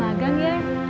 masih magang ya